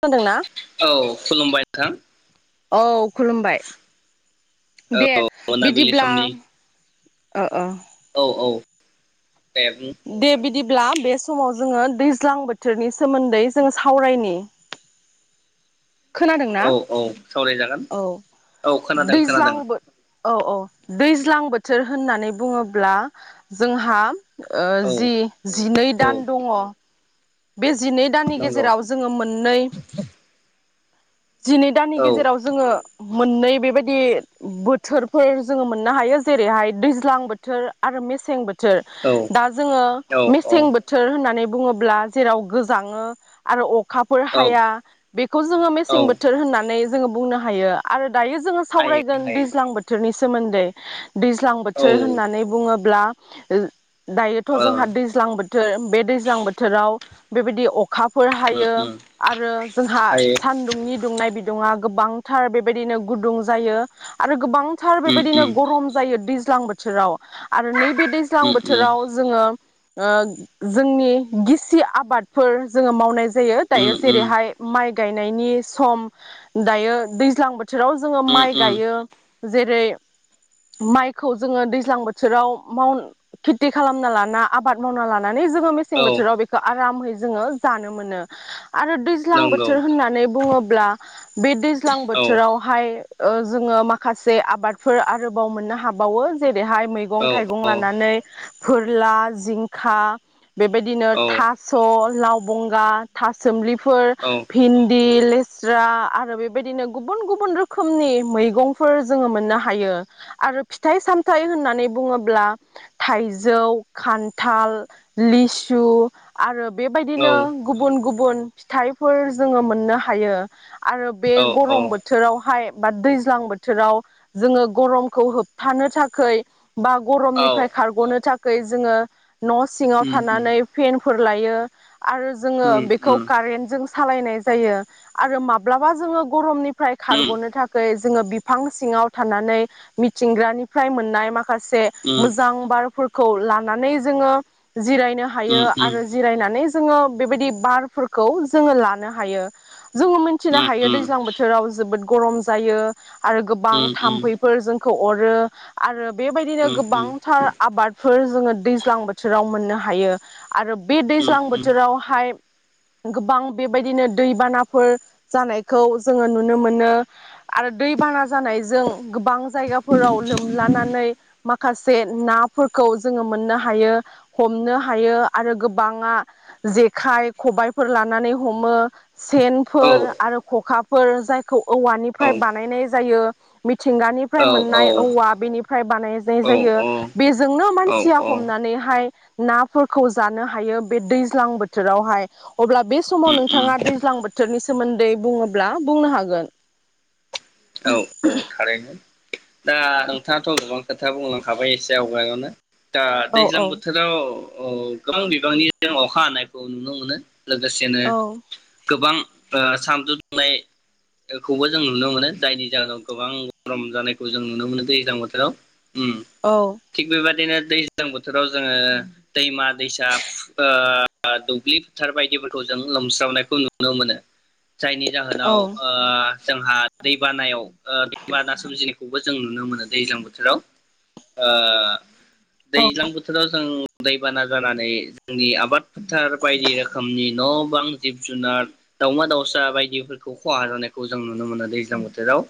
खोनादों ना? औ खुलुमबाय नोंथां। औ खुलुमबाय दे औ मोनाबिलि बिदिब्ला समनि अ अ औ औ दे बुं दे नोंथां बिदिब्ला बे समाव जोङो दैज्लां बोथोरनि सोमोन्दै जोङो सावरायनि। खोनादोंना औ औ सावरायजागोन औ औ खोनादों दैज्लां खोनादों औ औ दैज ज्लां बोथोर होननानै बुङोब्ला जोंहा ओ औ जि जिनै औ दान दङ बे जिनै दाननि नंगौ गेजेराव जोङो मोननै जिनै दाननि औ गेजेराव जोङो मोननै बेबायदि बोथोरफोर जोङो मोननो हायो जेरैहाय दैज्लां बोथोर आरो मेसें बो थोर औ दा जोङो औ मेसें औ बोथोर होननानै बुङोब्ला जेराव गोजाङो आरो अ खाफोर औ हाया बेखौ जोङो औ मेसें बोथोर होननानै जोङो बुंनो हायो आरो दायो जोङो हायो सावरायगोन हायो दैज्लां बोथोरनि सोमोन्दै दैज्लां बोथोर औ होननानै बुङोब्ला ओ दायोथ' जोंहा ओ दैज्लां बोथोर बे दैज्लां बोथोराव बेबायदि अ खाफोर उम हायो उम आरो जोंहा हायो सानदुंनि दुंनाय बिदुंआ गोबांथार बेबायदिनो गुदुं जायो आरो गोबांथार उम बेबायदिनो उम गरम जायो दैज ज्लां बोथोराव आरो नैबे दैज्लां उम बोथोराव जोङो ओ जोंनि गिस सि आबादफोर जोङो मावनाय जा जायो दायो उम जेरैहाय माइ गायनायनि सम दायो दैज्लां बोथ थोराव जोङो उम माइ उम गायो जेरै माइखौ जोङो दैज्लां बोथोराव माव खेथि खालामना लाना आबाद मावना लाना नानै जोङो मेसें औ बोथोराव बे आरामै जोङो जानो मोनो। आरो दैज्लां नंगौ बोथोर होननानै बुङोब्ला बे दैज्लां औ बोथोरावहाय ओ जोङो माखासे आबादफोर आरोबाव मोननो हाबावो जेर रैहाय औ मैगं-थाइगं औ लानानै फोरला, जिंखा बेबायदि औ थास' लाव बंगा, थासोमलि फोर औ भिन्दि लेस्रा आरो बेबायदिनो गुबुन गुबुन रोखोमनि मैगंफोर जोङो मोननो हायो आरो फिथाइ-सामथाइ होननानै बुङोब्ला थाइजौ, खान्थाल, लिसु आरो बेबायदिनो गुबुन-गुबु गुबुन फिथाइफोर जोङो मोननो हायो। आरो बे औ गरम बोथोरावहाय बा दैज्लां बोथोराव जोङो गरमखौ होबथानो थाखोय बा औ गरमनिफ्राय खारग'नो थाख खै जोङो न' सिङाव उम उम थानानै फोर लायो। आरो जोङो उम बेखौ उम कारेन्ट जों। सालायनाय जायो आरो माब्लाबा जोङो गरमनि। फ्राय उम खारग'नो थाखोय। जोङो बिफां सिङाव थानानै मिथिंग्रानिफ्राय मोननाय माखासे। खासे मोजां बारफोर। खौ लानानै जोङो जिराय। हायो उम उम आरो जिरायनानै जो जोङो बेबायदि बारफोरखौ जोङो लानो हायो। जोङो मिथिनो उम हायो उम दैज्लां बोथोराव जोबोद। गरम जायो। आरो गोबां उम उम थाम्फैफोरजों। खौ अरो आरो। बेबायदिनो उम उम गोबांथार आबाद। फोर जोङो दैज्लां बोथोराव मोननो हायो। आरो बे उम दैज्लां उम बोथोरावहाय। गोबां बेबायदिनो दैबानाफोर जानायखौ जोङो नुनो मोनो आरो दैबाना जानायजों गोबां जायगाफोराव लोमलानानै माखासे नाफोरखौ जोङो मोननो हायो हमनो। हायो आरो गोबाङा जेखाइ खबाइफोर लानानै हमो। औ सेनफोर औ आरो खखा फोर जायफोर खौ औवानिफ्राय बानायनाय जायो। मिथिंगानिफ्राय औ मोननाय औवा औ बेनिफ्राय बानायनाय जायो औ बेजोंनो औ मानसिया उम हमनानैहाय। ना। फोरखौ जानो हायो बे दैज्लां बोथोरावहाय। अब्ला बे समाव उम नोंथाङा दैज्लां बोथोरनि सोमोन्दै बुङोब्ला बुंनो हागोन। औ औ थारैनो। दा नोंथाङाथ' गोबां खोथा बुंलांखाबाय एसे आवगायावनो। दा औ दैज्लां औ बोथोराव अ गोबां बिबांनि जों अखा हानायखौ नुनो मोनो। लोगोसेनो औ गोबां ओ सानदुं दुंनायखौबो जों नुनो मोनो। जायनि जाहोनाव गोबां गरम जानायखौ जों नुनो मोनो दैज्लां बोथोराव। उम औ थिग बेबादिनो दैज्लां बोथोराव जोङो दैमा दैसा ओ दुब्लि फोथार बायदिफोरखौ जों लोमस्रावनायखौ नुनो मोनो। जायनि जाहोनाव ओ जोंहा दैबानायाव ओ दैबाना सोमजिनायखौबो जों नुनो मोनो दैज्लां बोथोराव। ओ औ दैज्लां बोथोराव जों दैबाना जानानै जोंनि आबाद फोथार बायदि रोखोमनि न' बां, जिब जुनार, दावमा दाउसा बायदिफोरखौ खहा जानायखौ जों नुनो मोनो दै ज्लां बोथोराव।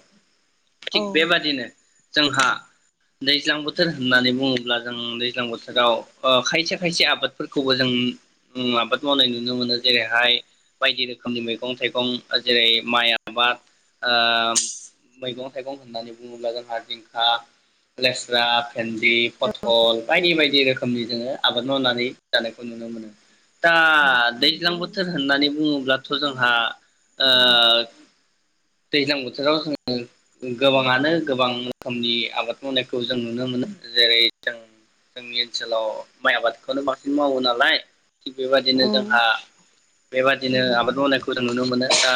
औ थिग बेबादिनो जोंहा दैज्लां बोथोर होननानै बुङोब्ला जों दैज्लां बोथोराव ओ खायसे खायसे आबादफोरखौबो जों आबाद मावनाय नुनो मोनो। जेरैहाय बायदि रोखोमनि मैगं थाइगं जेरै माइ आबाद ओ मैगं थाइगं होननानै बुङोब्ला जोंहा जिंखा, लेस्रा भिन्दि, पथल बायदि बायदि रोखोम रोखोमनि जोङो आबाद मावनानै जानायखौ नुनो मोनो। दा दैज्लां उम बोथोर होननानै बुङो ब्लाथ' जोंहा ओ दैज्लां बोथोराव जोङो गोबाङानो गोबां रोखोमनि आबाद मावनायखौ जों नुनो मोनो। जेरै जों जोंनि ओनसोलाव माइ आबादखौनो बांसिन मावो नालाय थिग बेबायदिनो जोंहा औ बेबादिनो आबाद मावनायखौ जों नुनो मोनो। दा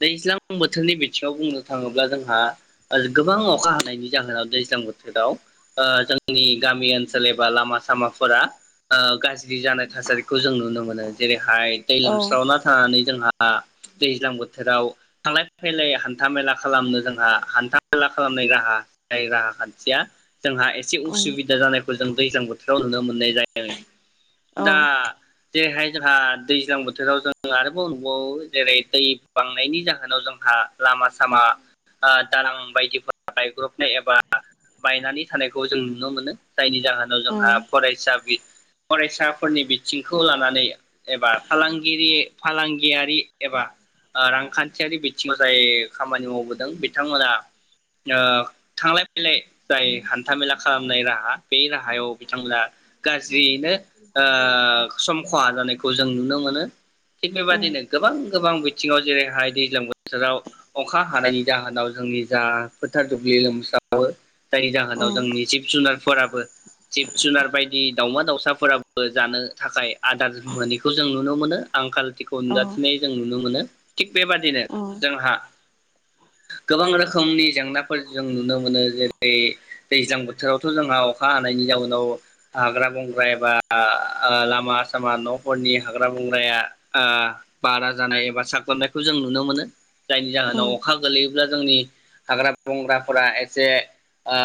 दैज्लां बोथोरनि बिथिङाव बुंनो थाङोब्ला जोंहा गोबां अखा हानायनि जाहोनाव दैज्लां बोथोराव ओ जोंनि गामि ओनसोल एबा लामा सामाफोरा ओ गाज्रि जानाय थासारिखौ जों नुनो मोनो। जेरै हाय दै लोमस्रावना थानानै जोंहा हा दैज्लां बोथोराव थांलाय फैलाय हान्था मेला खालामनो जोंहा हान्था मेला खालामनाय राहा जाय राहा खान्थिया जोंहा एसे उम उसुबिदा जानाय खौ जों दैज्लां बोथोराव नुनो मोननाय जायो। औ दा जेरैहाय जोंहा दैज्लां बोथोराव जों आरोबाव नुबावो जेरै दै बांनायनि जा होनाव जोंहा लामा सामा आ दालां बायदिफोरा गायग्र'बनाय एबा बायनानै थानायखौ जों नुनो मोनो। जायनि जाहोनाव उम जोंहा उम फरायसा बि फरायसाफोरनि बिथिंखौ लानानै एबा फालांगिरि फालांगियारि एबा रांखान्थि थियारि बिथिङाव जाय खामानि मावबोदों बिथांमोना ओ थांलाय आ फैलाय जाय हान्थामेला खालामनाय राहा बे राहायाव बिथांमोना गाज्रियैनो आ सम खहा जानायखौ जों नुनो मोनो। थिग बेबादिनो गोबां गोबां बि थिङाव जेरैहाय दैज्लां बोथोराव अखा हानायनि जाहोनाव जोंनि जा फोथार दुब्लि लोमसावो जायनि जाहोनाव उम जोंनि जिब जुनार फोराबो जिब जुनार बायदि दावमा दाउसाफोराबो जानो थाखाय आदार मोनैखौ जों नुनो मोनो आंखाल खौ औ नुजाथिनाय जों नुनो मोनो थिग बेबादिनो उम जोंहा गोबां रोखोमनि जेंनाफोर जों नुनो मोनो जेरै दैज्लां बोथोरावथ जोंहा अखा हानायनि जाउनाव हाग्रा बंग्रा एबा लामा सामा नफोरनि हाग्रा बंग्राया आ बारा जानाय एबा साग्लोबनाय खौ जों नुनो मोनो जायनि जाहोनाव उम अखा गोलैयोब्ला जोंनि हाग्रा बंग्राफोरा एसे आ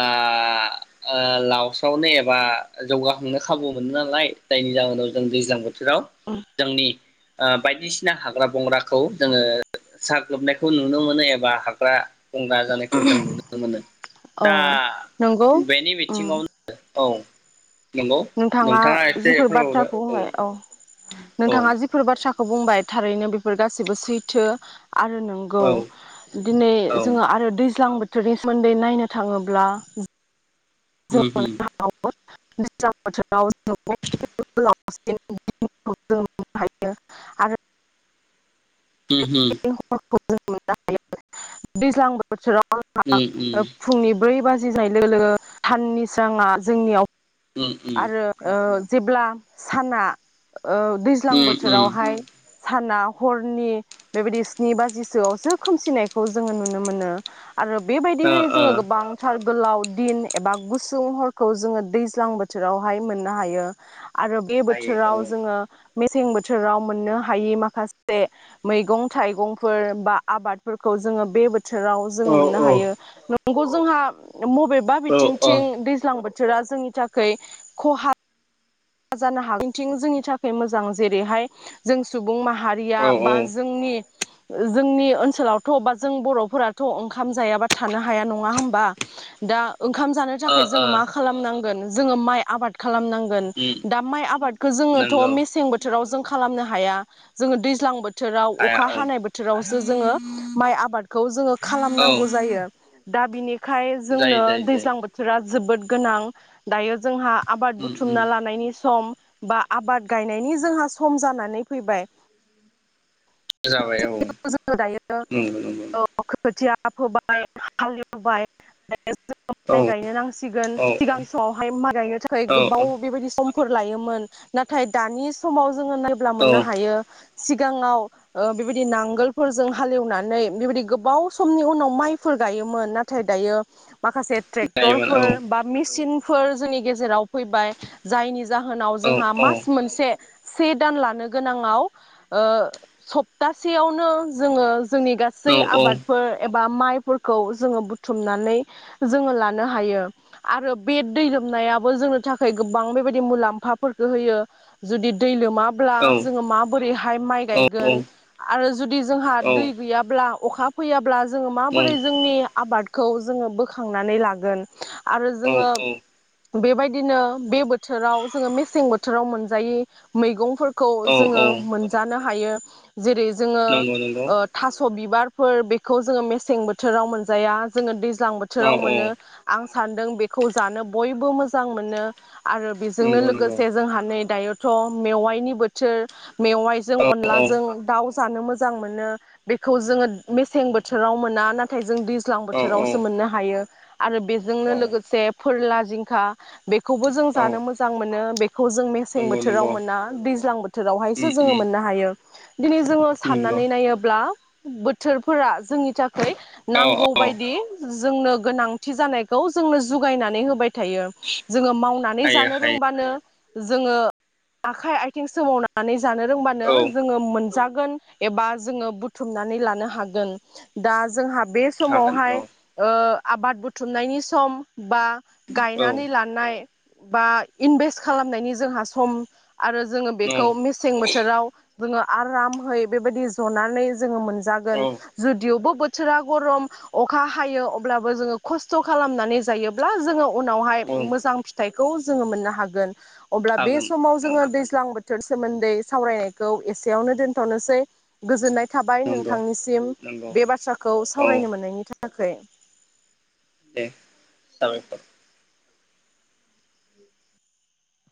आ लावस्रावनो एबा जौगाखांनो खाबु मोनो नालाय जायनि जाहोनाव जों दैज्लां बो जेराव जोंनि आ बायदिसिना हाग्रा बंग्राखौ जोङो साग्लोबनायखौ नुनो मोनो एबा हाग्रा बंग्रा जानायखौ जों नुनो मोनो औ दा नंगौ बेनि उम बिथिङावनो औ नंगौ नोंथाङा एसे जिफोर बाथ्राखौ फोरमायहरदो होनाय औ औ नोंथाङा जिफोर बाथ थ्राखौ बुंबाय थारैनो बेफोर गाससिबो सैथो आरो औ नोंगौ दिनै औ जोङो आरो दैज्लां बोथ थोरनि सोमोन्दै नायनो थाङोब्ला उम [unintelligible] दैज्लां बोथोराव [unintelligible] हायो आरो उम हुम। [unintelligible] दैज्लां बोथोराव उम उम [unintelligible] ओ फुंनि ब्रै बाजि [unintelligible] साननि सोरांङा जोंनियाव आरो ओ जेब्ला साना ओ उम दैज्लां उम बोथोरावहाय साना हरनि बेबायदि स्नि बाजिसोआवसो खोमसिनायखौ जोङो नुनो मोनो। आरो ओ बेबायदिहै ओ जोङो गोबांथार गोलाव दिन एबा गुसुं हरखौ जोङो दैज्लांबो बोथोरावहाय मोननो हायो। आरो बे हायो बोथोराव जोङो मेसें बोथोराव मोननो हायि माखासे मैगं थाइगंफोर बा आबादफोरखौ जोङो बे बोथोर बोथोराव औ जोङो मोननो हायो। बेखौ जोंहा मबेबा औ बिथिंथिं दैज्लां बोथो थोरा जोंनि थाख खै खहा जानो हागै बेथिं जोंनि थाखाय मोजां जेरैहाय जों सुबुं सुबुं औ माहारिया ओ ओ बा उम जोंनि ओ जोंनि ओनसोलावथ' बा जों बर'फोराथ' ओं ओंखाम जायाबा थानो हाया नङा होमबा दा ओंखाम जानो थाखाय जों मा खालामनांगौ जोङो माइ आबादखौ खालामनांगोन। दा माइ आबादखौ जोङोथ' नंगौ मेसें बोथोराव जों खालामनो हाया जोङो दैज्लां बोथोर बोथोराव हाया अखा औ हानाय बोथोराव त जो माइ आबादखौ जोङो औ खालामनांगौ जायो। दाबिनि खाय जोंनो जायो जायो जायो दैज्लां बोथोरा जोबोद गोनां दायो जोंहा आबाद उम उम बुथुमना लानायनि सम बा आबाद गायनायनि जोंहा सम जानानै फैबाय जाबाय औ, जोङो दायो उम नंगौ। खोथिया फोबाय हालेवबाय ज औ माइ गायनो नांसिगोन औ सिगांनि समावहाय माइ गायनो थाखाय औ औ गोबाव बेबायदि सम फोर लायोमोन नाथाय दानि समाव जोंङो नायब्ला औ मोननो हायो सिगाङाव ओ बेबायदि नांगोलफोरजों हालेवनानै बेबायदि गोबाव समनि उनाव माइफोर गायोमोन नाथाय दायो माखासे जायोमोन औ ट्रेक्टरफोर बा मेसिन फोर जोंनि गेजेराव फैबाय जायनि जा जाहोनाव औ जोंहा औ मास मोनसे से दान लानो गोनाङाव ओ सप्तासेयावनो जोङो जोंनि औ गासै आबादफोर एबा बा माइफोरखौ जोङो बुथुमनानै जोङो लानो हायो आरो बे दै लोमनायाबो जोंनि थाखाय गोबां बेबायदि मुलामफाफोरखौ होयो जोदि दैलोमो माब्ला औ जोङो माबोरैहाय माइ औ गायगोन आरो जुदि जोंहा दै गैयाब्ला अखा फैयाब्ला जोङो माबोरै जोंनि आबाद खौ जोङो बोखांनानै लागोन आरो औ जोङो बेबायदिनो बे बो थोराव जोङो मेसें बोथोराव मोनजायोय मैगंफोर खौ औ जोङो औ मोनजानो हायो। जेरै जोङो नंगौ नंगौ ओ थास' बि बारफोर बेखौ जोंङो मेसें बोथोराव मोनजाया जोंङो दै ज्लां औ बोथोराव औ मोनो आं सानदों बेखौ जानो बय बो मोजां मोनो आरो बेजोंनो नंगौ नंगौ लोगोसे जोंहा नै दायोथ' मेवाइनि बोथोर मेवाइजों औ औ अनलाजों दाउ जानो मोजांमोनो बेखौ जोंङो मेसें बोथोराव मोना नाथाय जों दैज्ल ज्लां औ बोथोरावसो मोननो हायो। आरो बेजोंनो औ लोगोसे फोरला जिंखा बेखौबो जों औ जानो मोजां मोनो बे खौ जों मेसें नंगौ बोथोराव नंगौ मोना दैज्लां बोथोरावहायसो उम जोङो उम मोननो हायो दिनै जोङो नंगौ साननानै नायोब्ला बोथोरफोरा जोंनि था खै औ नांगौ औ बायदि जोंनो गोनांथि जानायखौ जोंनो जुगायनानै होबाय थायो जों मावनानै हायो जानो हायो रोंबानो जोङो आखाइ आथिं सोमावनानै जानो रोंबानो औ जोङो मोनजा गोन एबा जों बुथुमनानै लानो हागोन दा जोंहा बे हागोन समावहाय औ ओ आबाद बुथुमनायनि सम बा औ गायनानै लानाय बा इनभेस्ट खालामनायनि जोंहा सम आरो जोङो औ बेखौ मेसें बोथोराव जोङो आरामहै बेबायदि जनानै जों औ मोनजागोन जुदिअबो बोथोरा गरम अखा हायो अब्लाबो जोङो खस्थ खालामनानै जायोब्ला जोङो उनावहाय औ मोजां बेखौ जों मोननो हागोन अब्ला बे हागोन समाव औ जोङो दैज्लां बोथोर सोमोन्दै सावरायनायखौ एसेयावनो दोनथनोसै गोजोननाय थाबाय नंगौ नोंथांनिसिम नंगौ बे बाथ्राखौ औ सावरायनो मोननायनि थाखाय। थाखै। दे साबायखर।